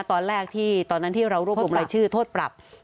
ตอนแรกที่เรารวบรวมรายชื่อโทษปรับ